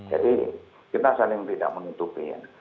jadi kita saling tidak menutupi ya